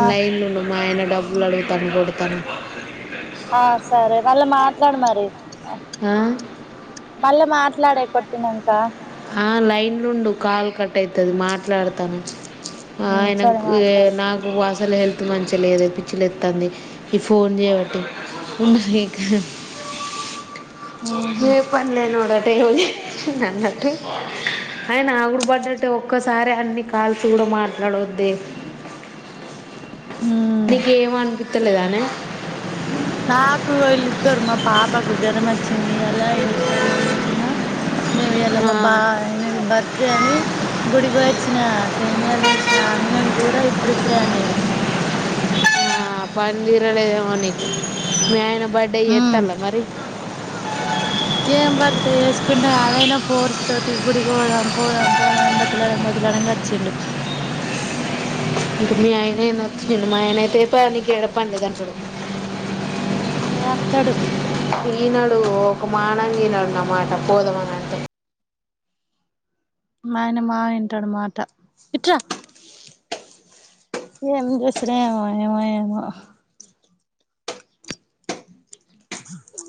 ఆ లైన్లో ఉండు మా ఆయన డబ్బులు అడుగు తనుబడుతాను ఇస్తాడు మరి ఆ? ఓకే మళ్ళా మాట్లాడే కొట్టినక్క ఆ లైన్లు ఉండు కాల్ కట్ అవుతుంది మాట్లాడతన్న ఉమ్ ఆయనకు, సరే మాట్లాడు నాకు అసలు హెల్త్ మంచిగా లేదే, పిచ్చిలుెత్త్తంది ఈ ఫోన్ చేయబట్టి ఉహు ఏ పనలేనోడు ఏమో చేసిండు అన్నట్టు అయినా ఆగుడు పడినట్టే ఒక్క సరే అన్ని కాల్స్ కూడా మాట్లాడవద్దు ఉమ్ ఇక ఏమానుపితలేదానే నాకు వీళ్ళు ఇద్దరు మా పాపకు జరం వచ్చింది లా ఇంటికాని ఉండు చిన్న మేము ఇయ్యాల ఆ, మా బై బర్త్ పత్రి అని గుడికి వచ్చిన సేమియాలు వేసినా అన్నం కూరా ఇప్పుడిప్పుడే అండిన ఆ, పని తిరలేదోమో నీకు బర్త్డే హమ్ చేస్తాలా మరి ఏం బర్త్డే చే సుకుంటే అదైనా ఫోర్స్ తోటి గుడి కి పోదాం పోదాం పోదాం అనీ బతిలదంగా కచ్చిడు మీ ఆయన వచ్చిండు మా ఆయనైతే పో నీకు ఎడా పని లేదు అంటాడు ఏ అత్తడు ఈనాడు ఒక మానంగ ఈనడున్నన్నమాట పోదమని అంటే ఆయన మా వింటాడు మాట ఇట్రా ఏం చేూసాడ ఏమో ఏమో ఏమో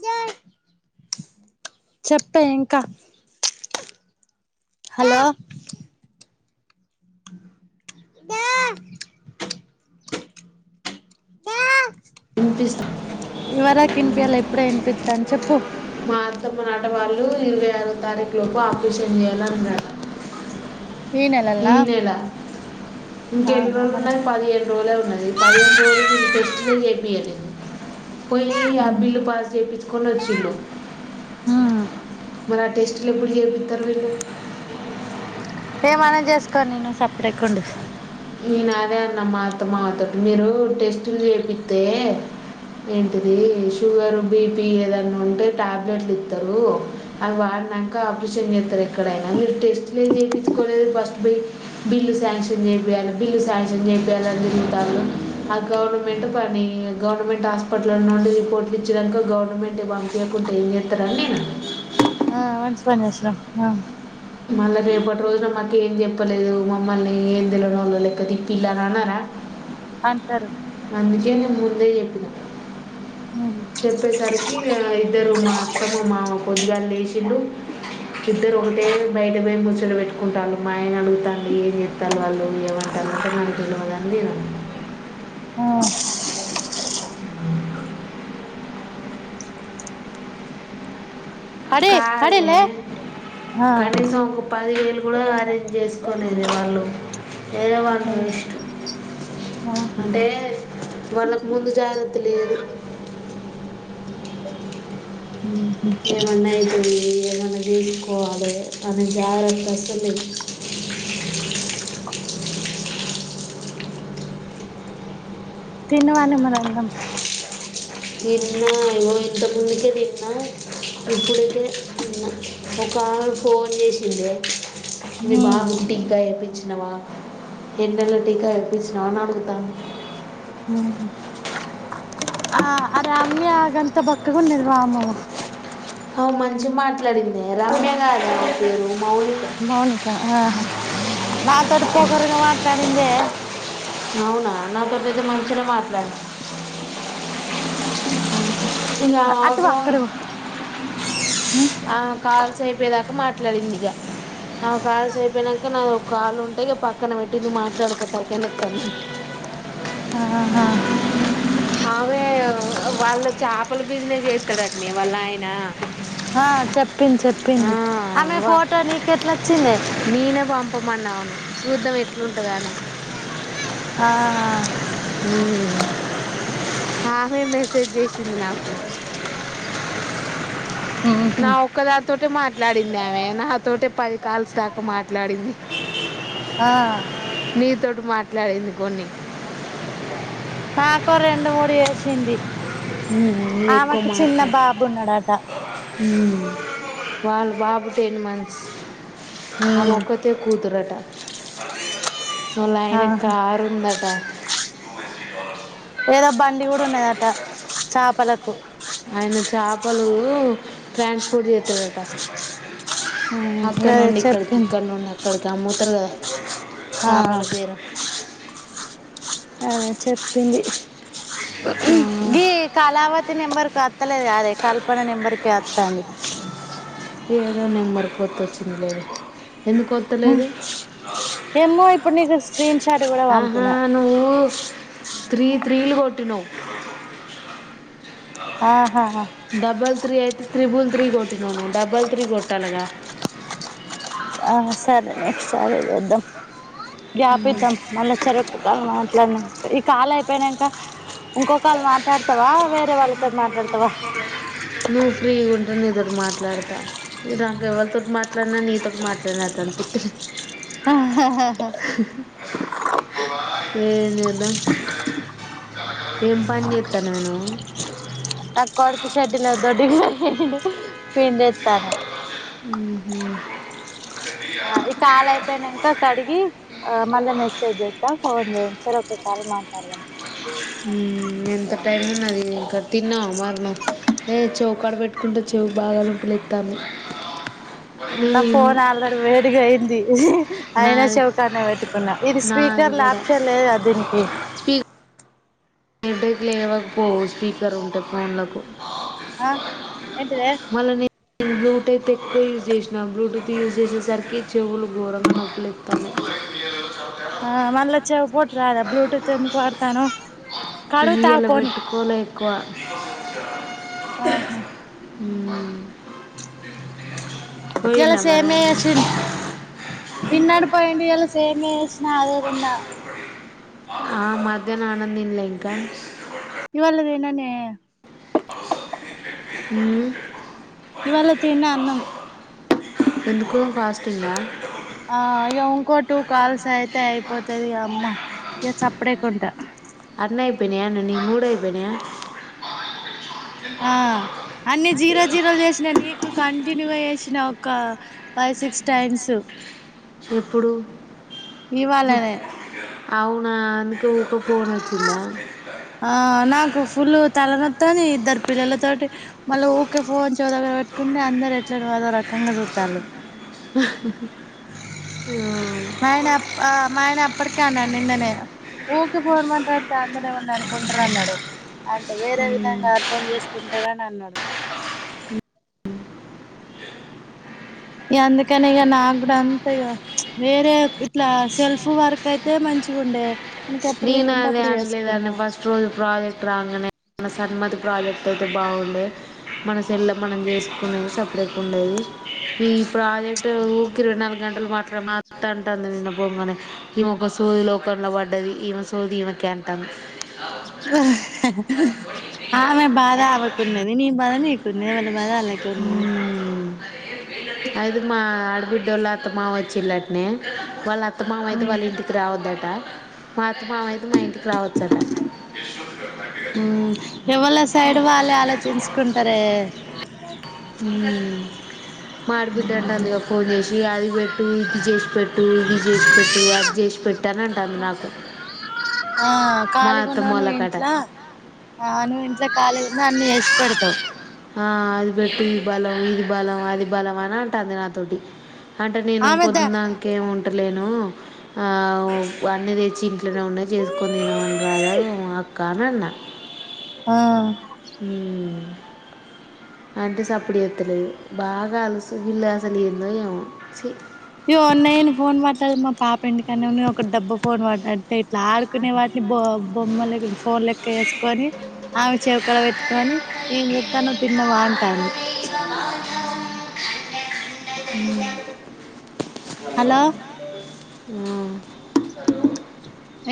న [unintelligible] చెప్తా ఇంకా హలో డా డా వినిపిస్తాం ఎవరాకు వినిపియులే ఈప్పుడే వినిపిస్తుంది చెప్పు త్తమ నాటవాళ్ళు ఇరవై ఆరోవ తారీఖు లోపు ఆపరేషన్ చేయాలన్నారు ఈ నెలలా ఇంక ఎన్ని రోులు ఉయి పదిహేను రోజులే ఉన్నాదిహేను రోజులు వీళ్ళు టెస్ట్లే చపి యాల పోయి ఆ ఉమ్ బిల్లు పాస్ చేపించుకొని వచ్చిండు ఉమ్ మరి ఆ టేస్ట్లు ఎప్పుడు చేపిత్తరు మీరు ఏమనం చేసుకోనినే సప్పడ చేయకా ఉండు నేను అదే అన్న మా అత్త మామ తటి మీరు బిల్లు శాంక్షన్ చేపియ్యాలి అని చెప్తారు అది గవర్నమెంట్ పని గవర్నమెంట్ ఆ మంచి పని చేసినవ్ ఆ మళ్ళీ రేపటి రోజున మాకు ఏం చెప్పలేదు మమ్మల్ని ఏం తెలవనోలక్క తీపి అంటారు ముందే చెప్పిన ఉమ్ చెప్పేసరికి ఇగ ఇద్దరూ మా అత్త మా మామ పొద్దుగాల లేసిడు ఇద్దరూ ఆ అ హరి హరి కాదే లే ఆ కనీసం ఒక పదివేలు కూడా అరేంజ్ చేసుకోనేదే వాళ్ళు ఏదో వాళ్ళు ఇష్ట ఆహా అంటే వాళ్ళకు ముందు జాగ్రత్త లేదు ఉహు ఏమన్నా అయితది [unintelligible] తిన్నదానే మరి అన్నం ఎట్లో ఏమో ఇట్లా ముచ్చట్లు చెప్పుతు ఇప్పుడు పోదో ఈ అమ్మ ఒక అమ్మే ఫోన్ చేసిందే మీ ఉమ్ బావ కి టీకా ఏపిచ్చినవా ఎన్ని రోజుల టీకా ఏ పిచ్చినావ్ అని అడుగుతాంది హ ఆ రమ్య గంత బక్కగా ఉన్నది వమ్మో ఆ మంచిగా మాట్లాడిందే రమ్య కాదే అమ్మే పేరు మౌలిక మౌనికా ఆహా నాతోటి పొగరుగా మా కారిందే అవునా నాతోనైతే మంచిగానే మాట్లా ఉహు ఇగ అటు పో అవసరం అక్కడికి పో ఉమ్ ఆ కార్ అయిపోదాక మాట్లాడిందిగా ఆవా కాలుసు అయిపోయినాక నా ఒక కాలు ఉంటే ఇక పక్కన పెట్టింది మాట్లాడుకోపాటుఅని తం ఆహా అవే వాళ్ళ చేపల బిజినెస్ చేస్తాడట నే వాళ్ళ ఆయన ఆ చెప్పింది ఆ చెప్పింది ఆమె అవ్వ ఫోటో నీకెట్లాొచ్చిందే పెట్టామన్నాను చూద్దాం ఎట్లుంటదో అని ఆ హా అమ్మే మెసేజ్ చేసిది నాకు ఉహు నా ఒక్కదానితోటే మాట్ మాట్లాడింది ఆమె నాతోటే పది కాల్స్ దాకా మాట్లాడింది ఆ మీ తోటి మాట్ ఎట్లా అయింది కొని నాకో రెండు మూడు చేసింది హు మీకు మాట్లా బాబు ఉన్నాడట హు వాళ్ళు బాబుకు టెన్ మంత్స్ వాళ్ళ ఉమ్ అక్కకే కూతురు అంట వాళ్ల ఆయనకు ఆహా కార్ ఉందంట ఏదో బండి కూడా ఉన్నదంట చేపల కో ఆయన చాపలు ట్రాన్స్పోర్ట్ చేస్తాడంట ఉమ్ అక్కడ గదే నుండి ఇక్కడి కీ చెప్పింది ఇక్కనుండి ఆ మాత్ త్ర ఆ చేపల పేరు ఆ చెప్పింది ఆ గీ కళవతి నెంబర్కి వత్తలేదు గదే కల్పన నెంబర్కి అత్తాంది. ఏదో నెంబర్ కొత్త చిలే హ ఏమ్మో ఇప్పుడు నీ ఇ [inaudible] ఆహా నువ్వు త్రీ త్రీలు కొట్టినో ఆ డబల్ త్రీ యిట్ త్రిబుల్ త్రీ కొట్టినను డబల్ త్రీ కొట్టాలగా ఆ సరే నెక్స్ట్ సరద్దం గ్యాపి ఇద్దాం మళ్ళ సర మాట్లాడిన ఈ కాల అయిపోయినాక. ఇంకొక వాళ్ళు మాట్లాడతావా వేరే వాళ్ళతో మాట్లాడతావా. ఇప్పుడు నీతోటి మాట్లాడతా న నాక ఎవరితోటి మాట్లాడినా నీతోటి మాట్లాడిన అనిపితది ఆ ఏం చేద్దా ఏం పని చేస్తాను నేను్ [unintelligible] [unintelligible] ఉహ ఈ కాల అయిపోయినానుక కడి ఆ మళ్ళీ మెసేజ్ చేస్తా ఫోన్ చేయండి సార్ ఒక కాల్ మాట్లాడదం. ఎంత టైంలో అది ఇంక్కడ తిన్నావు మరణం ఏ చెవుకాడ పెట్టుకుంటే చెవు బాగా నొప్పి లెట్టంది నా ఫోన్ ఆల్రెడీ వేడిగా అయింది. అయినా నాది చవికానే పెట్టుకున్నా ఇది నాది స్పీకర్ కూడా ఆప్షన్ లేదు కదా దీనికి. నబేక్ లేవ్వకపోవు స్పీకర్ ఉంటే ఫోన్లకు ఆ ఏంటిదే మళ్ళీ నేను బ్లూటూత్ ఎక్కువ యూజ్ చేసినా బ్లూటూత్ యూస్ చేసరికి చెవులు ఘోరంగా నొప్పులు ఎతాన్నా ఆ మళ్ళా చెవిపోటు కడువు తా పోని కు ఆహా ఇలా పోయిండా మరి సేమే అన్న చేస పిన్నడు పోయిడి ఇలా సేమే నాదే దీన్న ఆ మధన అన్నం ఇంకా ఇవాల దినన్నే [unintelligible] ఇవాళతేన్న అన్నం ఎందుకో కాస్ట్ంగా ఆ ఇక ఉంకోటు కాల్స్ అయితే అయిపోతుది అమ్మ ఇ చప్పుడేకుంటా అన్ని ఐపోనయా న మూడ ఐపోనయా ఆ అన్ని జీరా జీరో చేసిన నీకు కంటిన్యూ చేసిన ఒక ఫైవ్ సిక్స్ టైమ్స్ ఎప్పుడు ఇవాళనే అవునా అందుకే ఊక ఫోన్ వచ్చిందా ఆ నాకు ఫుల్ తలనొత్తని ఇద్దరు పిల్లలతోటి మళ్ళీ ఊరికే ఫోన్ చోదగా పెట్టుకుంటే అందరు ఎట్లా మద రకంగా చూతారు మ్మ్. ఆయన అ ఆ మా ఆయన అప్పటికే అన్నాను నిన్ననే ఊరికే ఫోన్ మాట్లాడితే అందనేమంది అనుకుంటార అన్నాడు అంటే వేరే మ్మ్. విధంగా అర్ధం చేసుకుంటారని అన్నాడు ఇక అందుకని ఇక నా కూడా అంతా ఇ వేరే ఇట్లా సెల్ఫ్ వర్క్ అయితే మంచి ఉండే మనకి ఎప్పుడు నను వీలుంటే అే అప్పుడు అన్లేదా చేసుకున్నాం ఫస్ట్ రోజు పజెక్ట్ రాంగనే మన సన్మతి ప్రాజెక్ట్ అయితే బాగుండే మన సెల్ల మనం చేసుకునే స ఇక్కడకి ఉండది ఈ ప్రాజెక్ట్ ఊరికి రెండు నాలుగు గంటలు మాట్లామ అంత అంటుంది నిన్న బొమ్మని ఈ మొక సూర్య లోకంలో పట్ ది ఈమ సౌది ఈమ కంట ఆమె బాధ అవ్వకునేది నీ బాధ న కొ వా బద అలాగవరి మల్ అబ్బే లేదండి. అది మా అడ్ బిడ్డోల అత్త, మామ వచ్చిల్లట్నే వాళ్ళ ఆ త్త మామయితే వాళ్ళ ఇంటికి రావద్దటా. మా ఆ ఉమ్ ఎవళ సైడ్ వాళ్లే ఆలోచించుకుంటారే. ఉమ్ మా ఆడబిడ్డంటందిగా. ఫోన్ చేసి అది పెట్టు, ఇది చేసి పెట్టు, ఇది చేసి పెట్టు, అది చేసి పెట్. టన్ అంటంద్ నాకు ఆ మా అత్తమ్మ ఖాళీగున్నవ్ నువ్వు వాళ్ళకట ఇంట్ల. ఆ నువ్ ఇంట్ల ఖాళీగున్నా. వ్ ఎస్ పెడ్తావ్ అది పెట్టి ఈ బలం, ఇది బలం, అది బలం, అని అంటది. నాతోటి అంటే నేను ఆమె ద పొద్దున్దాక ఏమి ఉంటలేను. ఆవూ పన్నది. వచ్చి ఇంట్లనే ఉన్నాద్. చేసుకని తినమన్ రాదను ఆ క్కనన్న ఆ అంటే సప్పుడ్ చేతలేగా. బాగాలు సువిలాస లేందో ఏమో చి ఇగో ఉన్నాయని ఫోన్ మాట్లాడత్ మా పాప ఇంటికనే ఉన్నద్. ఒక డబ్బ ఫోన్ పడ్డట్టే ఇట్లా ఆడుకునే వాటిని బో బొమ్మలకి. ఫోన్ లెక్క ఏసుకొని. ఆమె చెప్ క్కడ పెట్టుకొని ఏం చేత్తన్నవ్ తిన్నవ అంటాంది. ఉహ్ హలో ఆ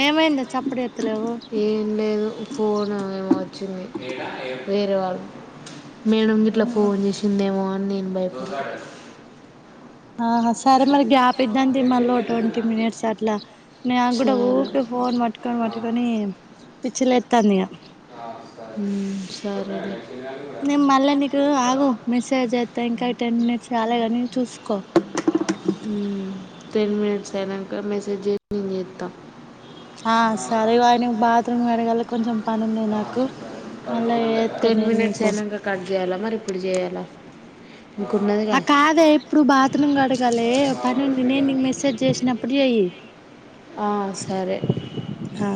ఏమైందే చప్పుడ్ చే ఏం లేదు ఫోన ఏమో వచ్చింది. వేరేవాళ్ మేడం గిట్లా ఫోన్ చేసిందేమో ఆనీ నేన్ భయపడే ఆ సరే మరి గ్యాప్ పిద్దంతి మల్లో ట్వంటీ మినిట్స్ అట్లా. న్యా గూడా సరే ఊకే ఫోన్ మట్టుకొని పట్టుకొని. పిచ్చి లేతందిగా ఉమ్ సరే నేమ్ మల్ల నీకు ఆగు. మెసేజ్ జెత్త ఇంకా టెన్ మినిట్స్ రాలేగానీ చూస్కో మ్మ్ టెన్ మినిట్స్ అయినంక. మెసేజ్ జై నేన్ చేత్త. ఆ సరే వాయన బాత్రూమ్ కడగాలి కొంచెం పనిఉన్నాయి నాకు మళ్ళా చేత్త టెన్ నేను మినిట్స్ నీకు అయినంక కట్ జేయాలా మరి ఇప్పుడు చేయాలా ఆ ఇంకున్నదిగా కాదే ఇప్పుడు బాత్రూమ్ కడగాలే పని ఉంది నేను నీకు మెసేజ్ చేసినప్ డి అయి ఆ సరే ఆ